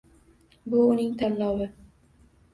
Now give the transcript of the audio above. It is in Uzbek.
Bu uning tanlovi.